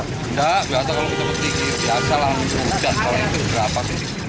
enggak gak tahu kalau kecepatan tinggi biasalah kalau itu berapa tinggi